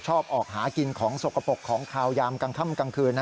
ออกหากินของสกปรกของขาวยามกลางค่ำกลางคืน